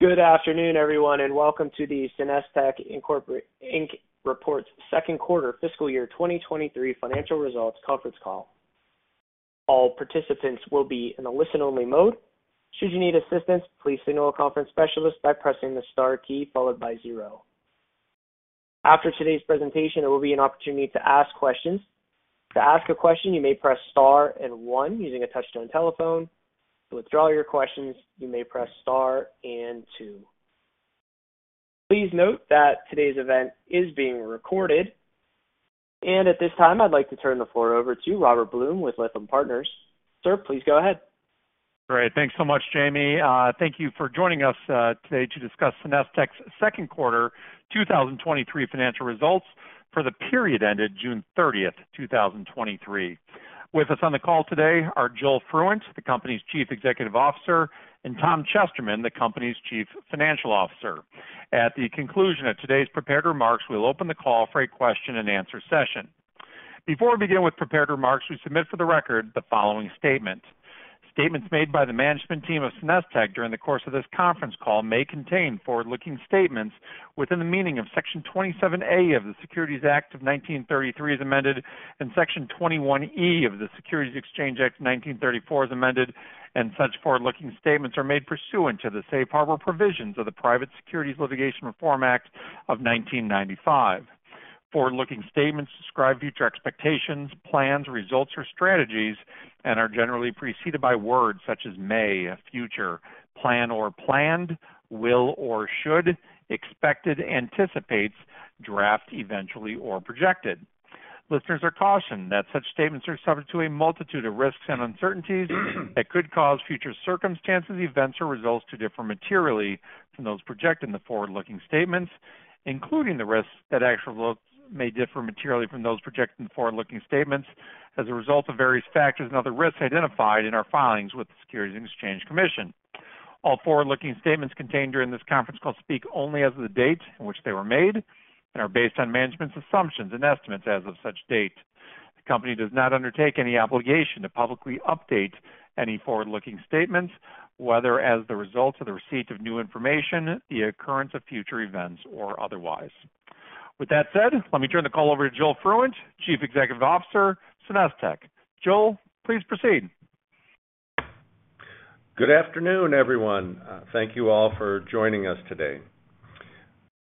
Good afternoon, everyone, and welcome to the SenesTech Incorporate. Reports Second Quarter Fiscal Year 2023 Financial Results Conference Call. All participants will be in a listen-only mode. Should you need assistance, please signal a conference specialist by pressing the star key followed by zero. After today's presentation, there will be an opportunity to ask questions. To ask a question, you may press star and one using a touchtone telephone. To withdraw your questions, you may press star and two. Please note that today's event is being recorded. At this time, I'd like to turn the floor over to Robert Blum with Lytham Partners. Sir, please go ahead. Great. Thanks so much, Jamie. Thank you for joining us today to discuss SenesTech's second quarter 2023 financial results for the period ended 06/30/2023. With us on the call today are Joel Fruendt, the company's Chief Executive Officer, and Tom Chesterman, the company's Chief Financial Officer. At the conclusion of today's prepared remarks, we'll open the call for a question-and-answer session. Before we begin with prepared remarks, we submit for the record the following statement. Statements made by the management team of SenesTech during the course of this conference call may contain forward-looking statements within the meaning of Section 27A of the Securities Act of 1933, as amended, and Section 21E of the Securities Exchange Act of 1934, as amended, and such forward-looking statements are made pursuant to the Safe Harbor Provisions of the Private Securities Litigation Reform Act of 1995. Forward-looking statements describe future expectations, plans, results, or strategies and are generally preceded by words such as may, future, plan or planned, will or should, expected, anticipates, draft, eventually, or projected. Listeners are cautioned that such statements are subject to a multitude of risks and uncertainties that could cause future circumstances, events, or results to differ materially from those projected in the forward-looking statements, including the risks that actual results may differ materially from those projected in the forward-looking statements as a result of various factors and other risks identified in our filings with the Securities and Exchange Commission. All forward-looking statements contained during this conference call speak only as of the date in which they were made and are based on management's assumptions and estimates as of such date. The company does not undertake any obligation to publicly update any forward-looking statements, whether as a result of the receipt of new information, the occurrence of future events, or otherwise. With that said, let me turn the call over to Joel Fruendt, Chief Executive Officer, SenesTech. Joel, please proceed. Good afternoon, everyone. Thank you all for joining us today.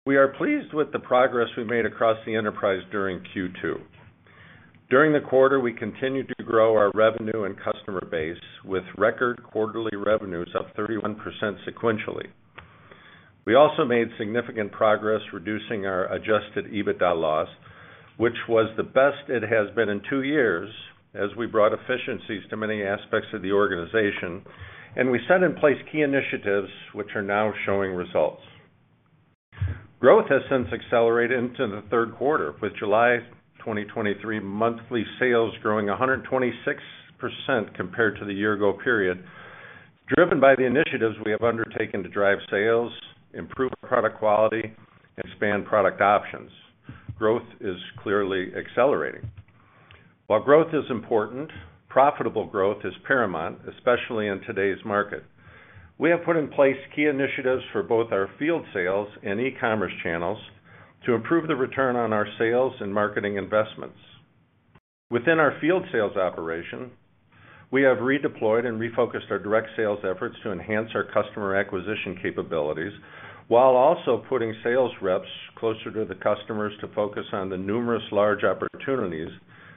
We are pleased with the progress we made across the enterprise during Q2. During the quarter, we continued to grow our revenue and customer base, with record quarterly revenues up 31% sequentially. We also made significant progress reducing our Adjusted EBITDA loss, which was the best it has been in 2 years as we brought efficiencies to many aspects of the organization, and we set in place key initiatives, which are now showing results. Growth has since accelerated into the third quarter, with July 2023 monthly sales growing 126% compared to the year-ago period, driven by the initiatives we have undertaken to drive sales, improve product quality, and expand product options. Growth is clearly accelerating. While growth is important, profitable growth is paramount, especially in today's market. We have put in place key initiatives for both our field sales and e-commerce channels to improve the return on our sales and marketing investments. Within our field sales operation, we have redeployed and refocused our direct sales efforts to enhance our customer acquisition capabilities, while also putting sales reps closer to the customers to focus on the numerous large opportunities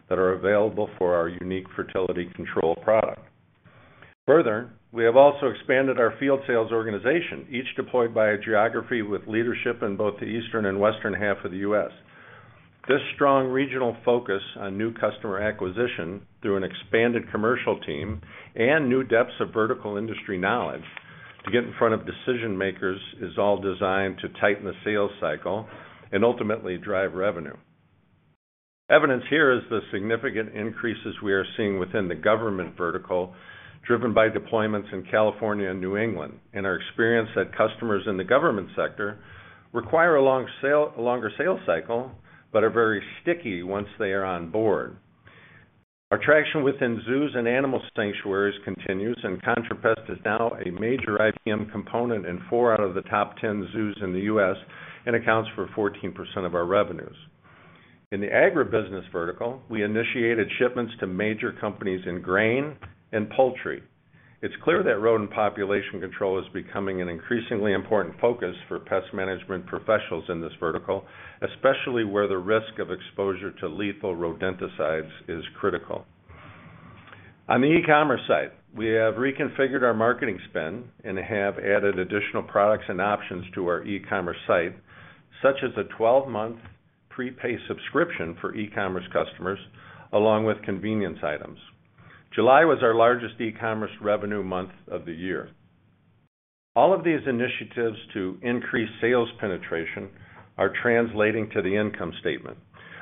that are available for our unique fertility control product. Further, we have also expanded our field sales organization, each deployed by a geography with leadership in both the eastern and western half of the U.S. This strong regional focus on new customer acquisition through an expanded commercial team and new depths of vertical industry knowledge to get in front of decision-makers, is all designed to tighten the sales cycle and ultimately drive revenue. Evidence here is the significant increases we are seeing within the government vertical, driven by deployments in California and New England, and our experience that customers in the government sector require a longer sales cycle, but are very sticky once they are on board. Our traction within zoos and animal sanctuaries continues, and ContraPest is now a major IPM component in 4 out of the top 10 zoos in the U.S. and accounts for 14% of our revenues. In the Agribusiness vertical, we initiated shipments to major companies in grain and poultry. It's clear that rodent population control is becoming an increasingly important focus for pest management professionals in this vertical, especially where the risk of exposure to lethal rodenticides is critical. On the e-commerce side, we have reconfigured our marketing spend and have added additional products and options to our e-commerce site, such as a 12-month prepaid subscription for e-commerce customers, along with convenience items. July was our largest e-commerce revenue month of the year. All of these initiatives to increase sales penetration are translating to the income statement.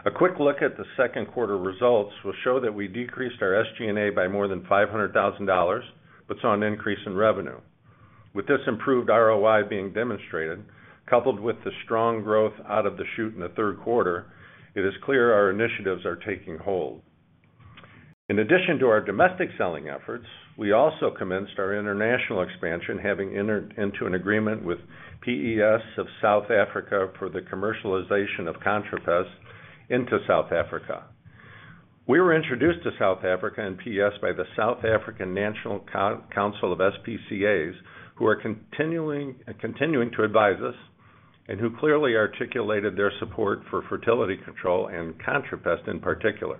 A quick look at the second quarter results will show that we decreased our SG&A by more than $500,000, but saw an increase in revenue. With this improved ROI being demonstrated, coupled with the strong growth out of the chute in the third quarter, it is clear our initiatives are taking hold....In addition to our domestic selling efforts, we also commenced our international expansion, having entered into an agreement with PES of South Africa for the commercialization of ContraPest into South Africa. We were introduced to South Africa and PES by the South African National Council of SPCAs, who are continuing, continuing to advise us and who clearly articulated their support for fertility control and ContraPest in particular.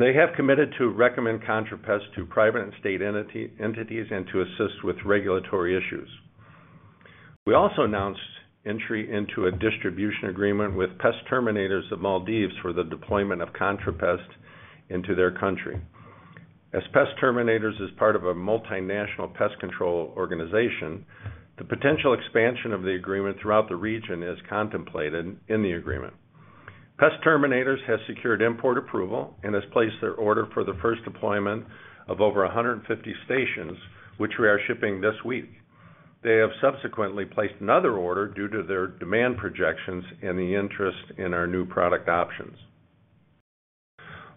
They have committed to recommend ContraPest to private and state entities, and to assist with regulatory issues. We also announced entry into a distribution agreement with Pest Terminators of Maldives for the deployment of ContraPest into their country. As Pest Terminators is part of a multinational pest control organization, the potential expansion of the agreement throughout the region is contemplated in the agreement. Pest Terminators has secured import approval and has placed their order for the first deployment of over 150 stations, which we are shipping this week. They have subsequently placed another order due to their demand projections and the interest in our new product options.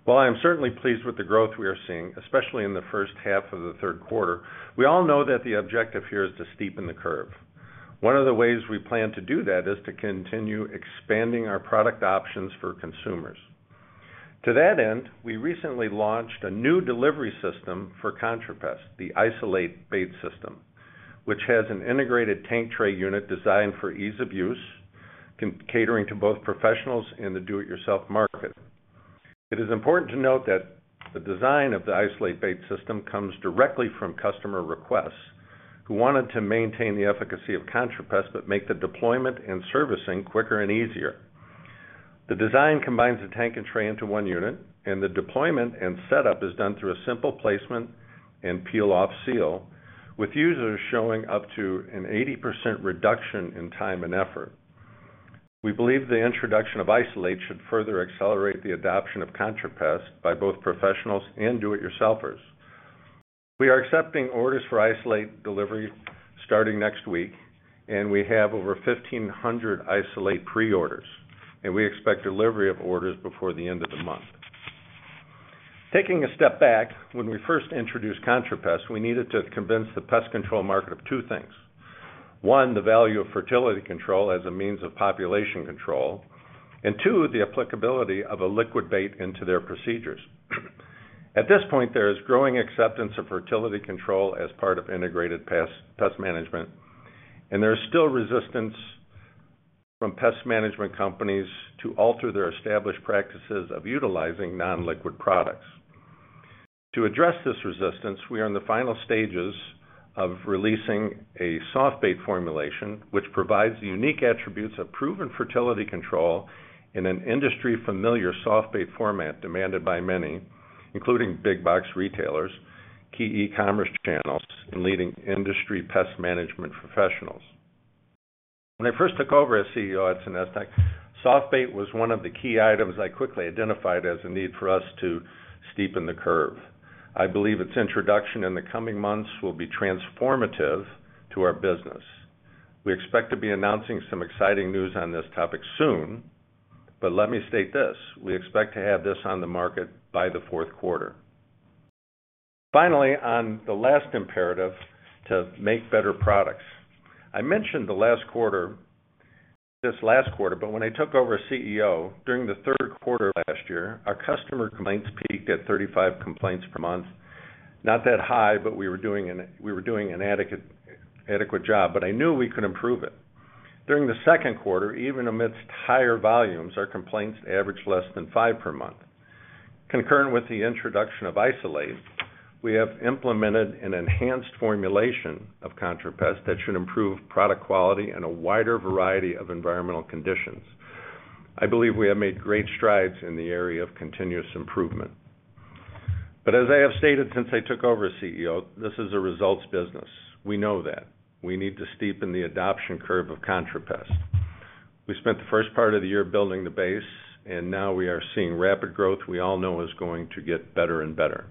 While I am certainly pleased with the growth we are seeing, especially in the first half of the third quarter, we all know that the objective here is to steepen the curve. One of the ways we plan to do that is to continue expanding our product options for consumers. To that end, we recently launched a new delivery system for ContraPest, the Isolate Bait System, which has an integrated tank tray unit designed for ease of use, catering to both professionals and the do-it-yourself market. It is important to note that the design of the Isolate Bait System comes directly from customer requests, who wanted to maintain the efficacy of ContraPest, but make the deployment and servicing quicker and easier. The design combines the tank and tray into 1 unit, and the deployment and setup is done through a simple placement and peel-off seal, with users showing up to an 80% reduction in time and effort. We believe the introduction of Isolate should further accelerate the adoption of ContraPest by both professionals and do-it-yourselfers. We are accepting orders for Isolate delivery starting next week, and we have over 1,500 Isolate pre-orders, and we expect delivery of orders before the end of the month. Taking a step back, when we first introduced ContraPest, we needed to convince the pest control market of 2 things. One, the value of fertility control as a means of population control, and two, the applicability of a liquid bait into their procedures. At this point, there is growing acceptance of fertility control as part of integrated pest management, and there is still resistance from pest management companies to alter their established practices of utilizing non-liquid products. To address this resistance, we are in the final stages of releasing a soft bait formulation, which provides the unique attributes of proven fertility control in an industry-familiar soft bait format demanded by many, including big box retailers, key e-commerce channels, and leading industry pest management professionals. When I first took over as CEO at SenesTech, soft bait was one of the key items I quickly identified as a need for us to steepen the curve. I believe its introduction in the coming months will be transformative to our business. We expect to be announcing some exciting news on this topic soon, but let me state this: we expect to have this on the market by the fourth quarter. Finally, on the last imperative, to make better products. I mentioned the last quarter, just last quarter, but when I took over as CEO during the third quarter of last year, our customer complaints peaked at 35 complaints per month. Not that high, but we were doing an adequate, adequate job, but I knew we could improve it. During the second quarter, even amidst higher volumes, our complaints averaged less than 5 per month. Concurrent with the introduction of Isolate, we have implemented an enhanced formulation of ContraPest that should improve product quality in a wider variety of environmental conditions. I believe we have made great strides in the area of continuous improvement. As I have stated since I took over as CEO, this is a results business. We know that. We need to steepen the adoption curve of ContraPest. We spent the first part of the year building the base. Now we are seeing rapid growth we all know is going to get better and better.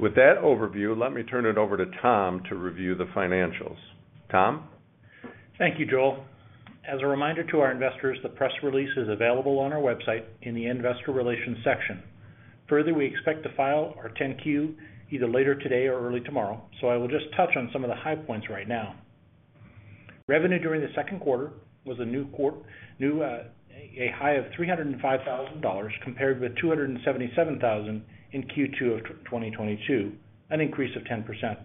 With that overview, let me turn it over to Tom to review the financials. Tom? Thank you, Joel. As a reminder to our investors, the press release is available on our website in the Investor Relations section. Further, we expect to file our 10-Q either later today or early tomorrow, so I will just touch on some of the high points right now. Revenue during the second quarter was a new high of $305,000, compared with $277,000 in Q2 of 2022, an increase of 10%.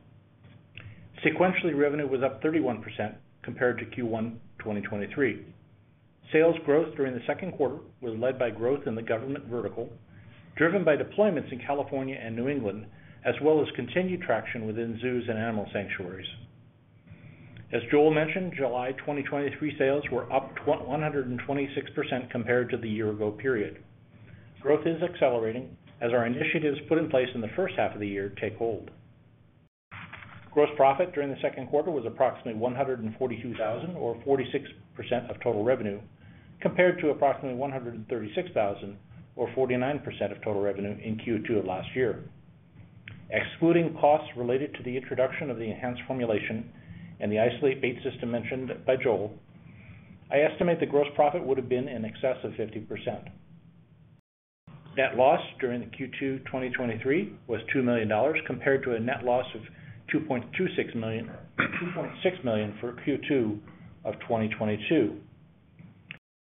Sequentially, revenue was up 31% compared to Q1 2023. Sales growth during the second quarter was led by growth in the government vertical, driven by deployments in California and New England, as well as continued traction within zoos and animal sanctuaries. As Joel mentioned, July 2023 sales were up 126% compared to the year ago period. Growth is accelerating as our initiatives put in place in the first half of the year take hold. Gross profit during the second quarter was approximately $142,000, or 46% of total revenue, compared to approximately $136,000, or 49% of total revenue in Q2 of last year. Excluding costs related to the introduction of the enhanced formulation and the Isolate Bait System mentioned by Joel, I estimate the gross profit would have been in excess of 50%. Net loss during the Q2 2023 was $2 million, compared to a net loss of $2.6 million for Q2 of 2022.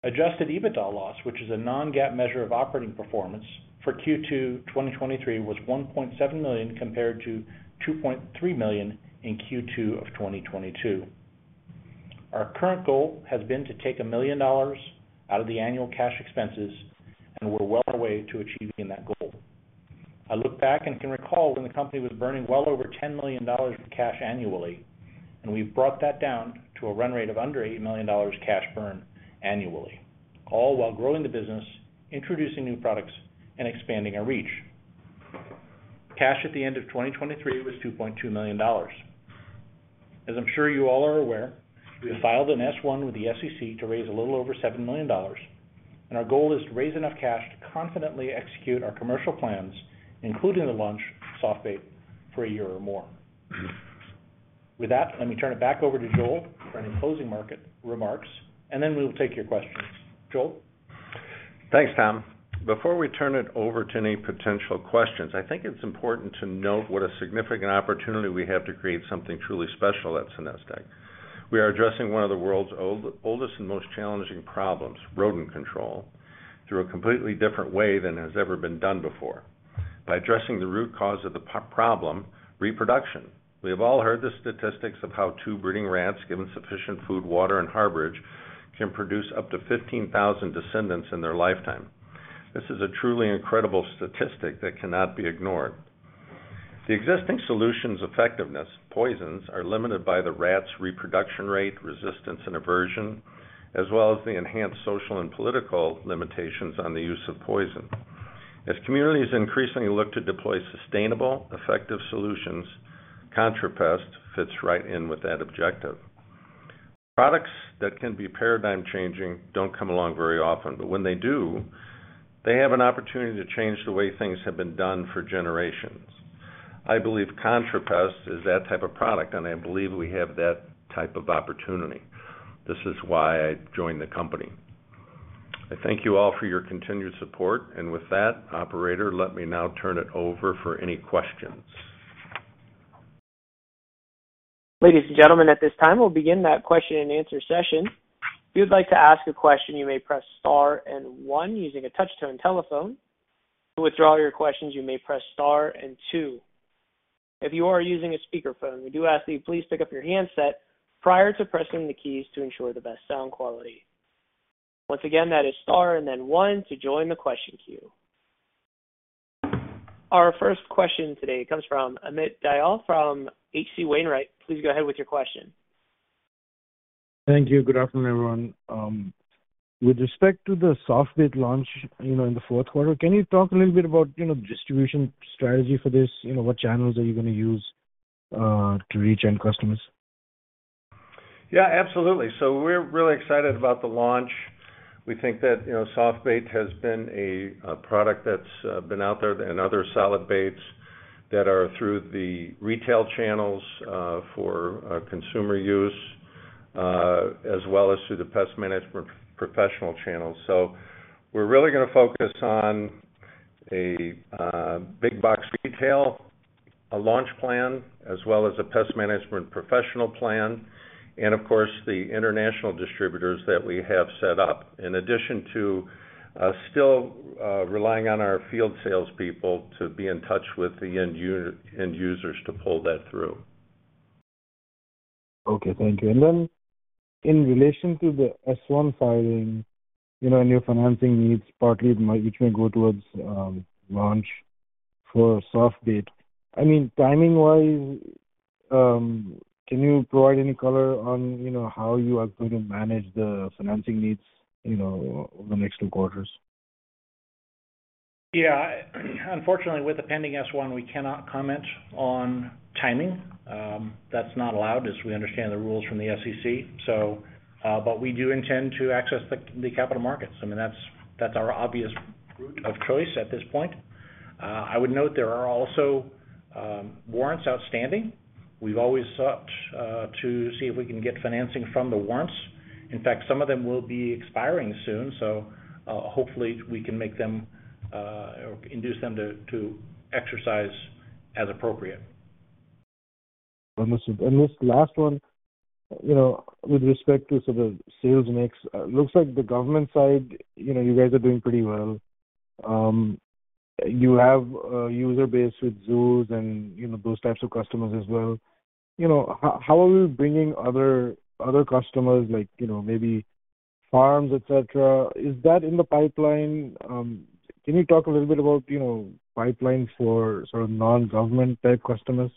Adjusted EBITDA loss, which is a non-GAAP measure of operating performance for Q2 2023, was $1.7 million, compared to $2.3 million in Q2 of 2022. Our current goal has been to take $1 million out of the annual cash expenses, we're well on our way to achieving that goal. I look back and can recall when the company was burning well over $10 million of cash annually, we've brought that down to a run rate of under $8 million cash burn annually, all while growing the business, introducing new products, and expanding our reach. Cash at the end of 2023 was $2.2 million. As I'm sure you all are aware, we filed an S-1 with the SEC to raise a little over $7 million. Our goal is to raise enough cash to confidently execute our commercial plans, including the launch of Soft bait, for a year or more. With that, let me turn it back over to Joel for any closing market remarks. Then we'll take your questions. Joel? Thanks, Tom. Before we turn it over to any potential questions, I think it's important to note what a significant opportunity we have to create something truly special at SenesTech. We are addressing one of the world's oldest and most challenging problems, rodent control, through a completely different way than has ever been done before. By addressing the root cause of the problem, reproduction. We have all heard the statistics of how 2 breeding rats, given sufficient food, water, and harborage, can produce up to 15,000 descendants in their lifetime. This is a truly incredible statistic that cannot be ignored. The existing solutions effectiveness, poisons, are limited by the rats' reproduction rate, resistance and aversion, as well as the enhanced social and political limitations on the use of poison. As communities increasingly look to deploy sustainable, effective solutions, ContraPest fits right in with that objective. Products that can be paradigm-changing don't come along very often, but when they do, they have an opportunity to change the way things have been done for generations. I believe ContraPest is that type of product. I believe we have that type of opportunity. This is why I joined the company. I thank you all for your continued support. With that, operator, let me now turn it over for any questions. Ladies and gentlemen, at this time, we'll begin that question-and-answer session. If you'd like to ask a question, you may press star and one using a touch-tone telephone. To withdraw your questions, you may press star and two. If you are using a speakerphone, we do ask that you please pick up your handset prior to pressing the keys to ensure the best sound quality. Once again, that is star and then one to join the question queue. Our first question today comes from Amit Dayal from H.C. Wainwright & Co.. Please go ahead with your question. Thank you. Good afternoon, everyone. With respect to the soft bait launch, you know, in the fourth quarter, can you talk a little bit about, you know, distribution strategy for this? You know, what channels are you gonna use, to reach end customers? Yeah, absolutely. We're really excited about the launch. We think that, you know, Soft bait has been a product that's been out there and other solid baits that are through the retail channels for consumer use as well as through the pest management professional channels. We're really gonna focus on a big box retail launch plan, as well as a pest management professional plan, and of course, the international distributors that we have set up, in addition to still relying on our field salespeople to be in touch with the end users to pull that through. Okay, thank you. In relation to the S-1 filing, you know, and your financing needs, partly it might, which may go towards launch for Soft bait. I mean, timing-wise, can you provide any color on, you know, how you are going to manage the financing needs, you know, over the next two quarters? Yeah, unfortunately, with the pending S-1, we cannot comment on timing. That's not allowed, as we understand the rules from the SEC. We do intend to access the, the capital markets. I mean, that's, that's our obvious route of choice at this point. I would note there are also warrants outstanding. We've always sought to see if we can get financing from the warrants. In fact, some of them will be expiring soon, so hopefully, we can make them or induce them to exercise as appropriate. This, and this last one, you know, with respect to sort of sales mix, looks like the government side, you know, you guys are doing pretty well. You have a user base with zoos and, you know, those types of customers as well. You know, how, how are we bringing other, other customers like, you know, maybe farms, et cetera? Is that in the pipeline? Can you talk a little bit about, you know, pipeline for sort of non-government type customers?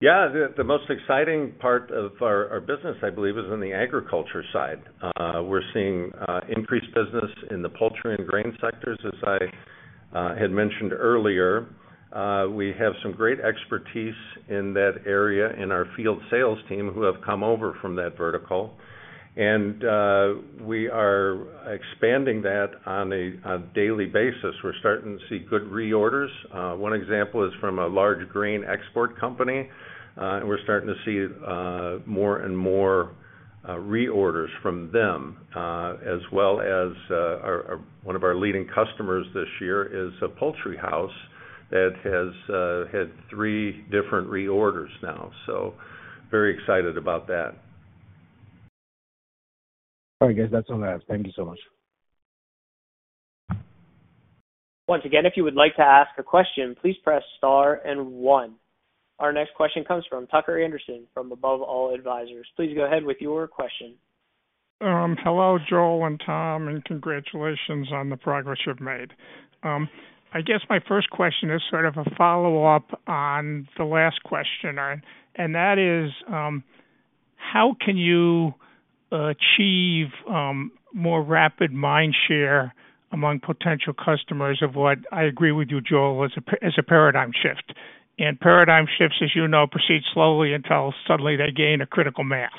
Yeah, the, the most exciting part of our, our business, I believe, is in the agriculture side. We're seeing increased business in the poultry and grain sectors, as I had mentioned earlier. We have some great expertise in that area in our field sales team, who have come over from that vertical. We are expanding that on a daily basis. We're starting to see good reorders. One example is from a large grain export company, and we're starting to see more and more reorders from them, as well as one of our leading customers this year is a poultry house that has had three different reorders now, so very excited about that. All right, guys, that's all I have. Thank you so much. Once again, if you would like to ask a question, please press star and one. Our next question comes from Tucker Andersen, from Above All Advisors. Please go ahead with your question. Hello, Joel and Tom. Congratulations on the progress you've made. I guess my first question is sort of a follow-up on the last question, and that is, how can you achieve more rapid mind share among potential customers of what I agree with you, Joel, is a, is a paradigm shift. Paradigm shifts, as you know, proceed slowly until suddenly they gain a critical mass.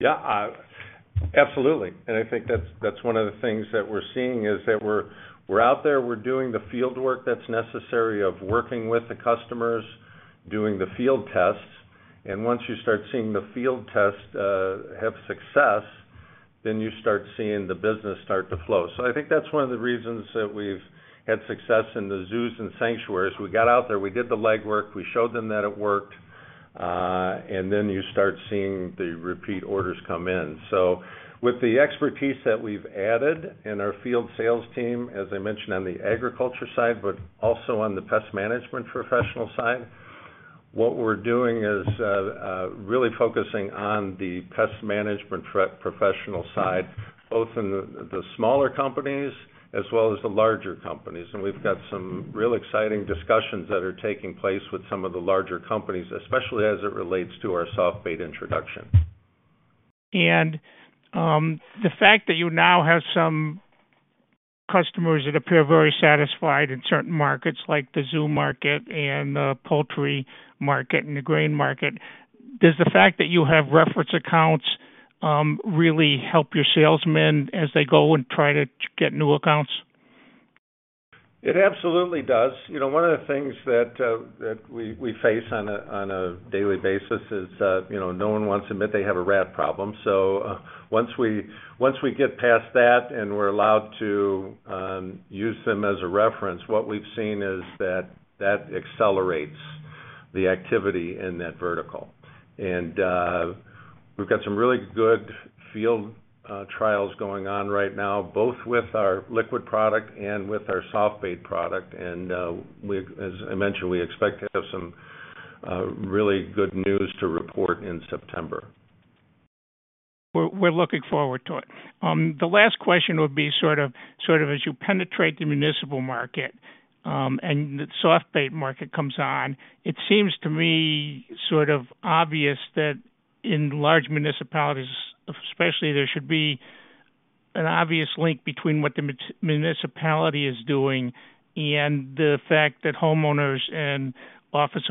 Yeah, absolutely. I think that's, that's one of the things that we're seeing, is that we're, we're out there, we're doing the fieldwork that's necessary of working with the customers, doing the field tests, and once you start seeing the field tests have success, then you start seeing the business start to flow. I think that's one of the reasons that we've had success in the zoos and sanctuaries. We got out there, we did the legwork, we showed them that it worked, and then you start seeing the repeat orders come in. With the expertise that we've added in our field sales team, as I mentioned, on the agriculture side, but also on the pest management professional side, what we're doing is really focusing on the pest management professional side, both in the, the smaller companies as well as the larger companies. We've got some real exciting discussions that are taking place with some of the larger companies, especially as it relates to our Soft bait introduction. The fact that you now have some customers that appear very satisfied in certain markets, like the zoo market and the poultry market and the grain market, does the fact that you have reference accounts really help your salesmen as they go and try to get new accounts? It absolutely does. You know, one of the things that we, we face on a, on a daily basis is that, you know, no one wants to admit they have a rat problem. Once we, once we get past that, and we're allowed to use them as a reference, what we've seen is that that accelerates the activity in that vertical. We've got some really good field trials going on right now, both with our liquid product and with our soft bait product. As I mentioned, we expect to have some really good news to report in September. We're, we're looking forward to it. The last question would be sort of as you penetrate the municipal market, and the soft bait market comes on, it seems to me sort of obvious that in large municipalities, especially, there should be an obvious link between what the municipality is doing and the fact that homeowners and office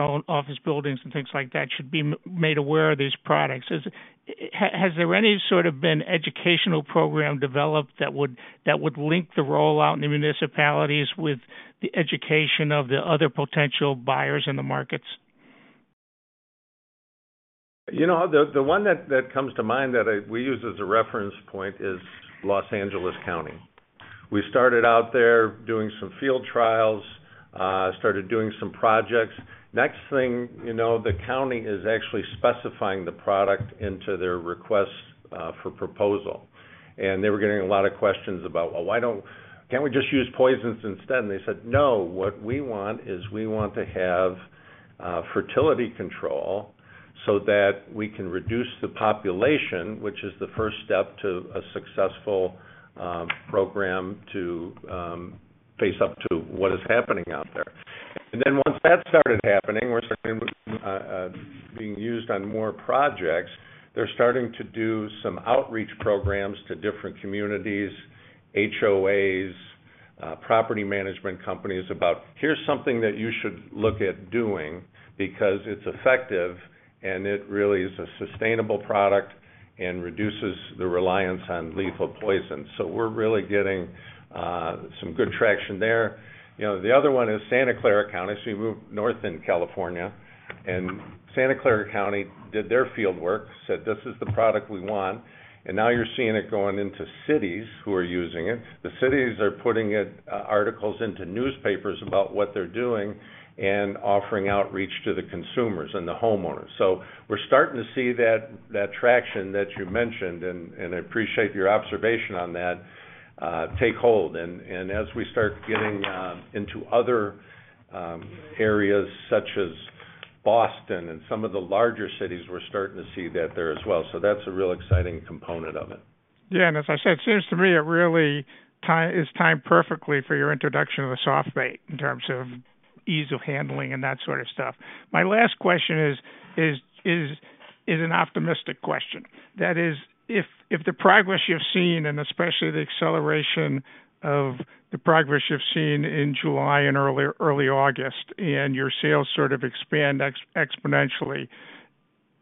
buildings and things like that should be made aware of these products. Has there any sort of been educational program developed that would, that would link the rollout in the municipalities with the education of the other potential buyers in the markets? You know, the, the one that, that comes to mind that I-- we use as a reference point is Los Angeles County. We started out there doing some field trials, started doing some projects. Next thing you know, the county is actually specifying the product into their request for proposal. They were getting a lot of questions about, "Well, why don't-- Can't we just use poisons instead?" They said, "No, what we want is we want to have fertility control so that we can reduce the population, which is the first step to a successful program to face up to what is happening out there." Once that started happening, we're starting being used on more projects. They're starting to do some outreach programs to different communities, HOAs, property management companies, about, "Here's something that you should look at doing because it's effective, and it really is a sustainable product and reduces the reliance on lethal poisons." We're really getting some good traction there. You know, the other one is Santa Clara County. We moved north in California, and Santa Clara County did their fieldwork, said, "This is the product we want." Now you're seeing it going into cities who are using it. The cities are putting it, articles into newspapers about what they're doing and offering outreach to the consumers and the homeowners. We're starting to see that, that traction that you mentioned, and, and I appreciate your observation on that, take hold. And as we start getting into other areas such as Boston and some of the larger cities, we're starting to see that there as well. That's a real exciting component of it. Yeah, as I said, it seems to me it really time, is timed perfectly for your introduction of a Soft bait in terms of ease of handling and that sort of stuff. My last question is, is, is, is an optimistic question. That is, if, if the progress you've seen, and especially the acceleration of the progress you've seen in July and earlier, early August, and your sales sort of expand exponentially,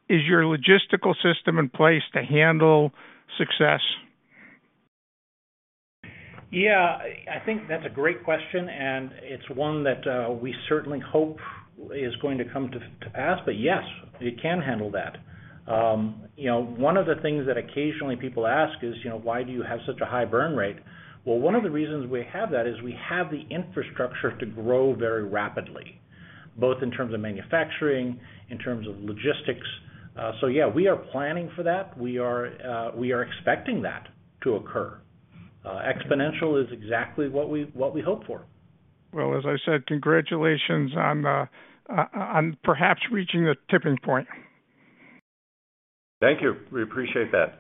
is your logistical system in place to handle success? Yeah, I think that's a great question, and it's one that we certainly hope is going to come to pass. Yes, it can handle that. You know, one of the things that occasionally people ask is, you know, "Why do you have such a high burn rate?" Well, one of the reasons we have that is we have the infrastructure to grow very rapidly, both in terms of manufacturing, in terms of logistics. Yeah, we are planning for that. We are expecting that to occur. Exponential is exactly what we, what we hope for. Well, as I said, congratulations on the, on perhaps reaching a tipping point. Thank you. We appreciate that.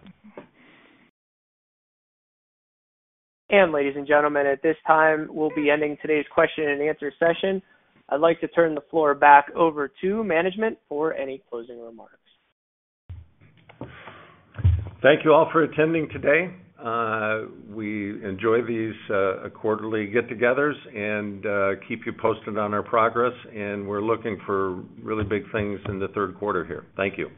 Ladies and gentlemen, at this time, we'll be ending today's question and answer session. I'd like to turn the floor back over to management for any closing remarks. Thank you all for attending today. We enjoy these quarterly get-togethers and keep you posted on our progress, and we're looking for really big things in the third quarter here. Thank you.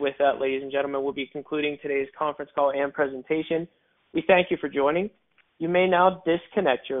With that, ladies and gentlemen, we'll be concluding today's conference call and presentation. We thank you for joining. You may now disconnect your lines.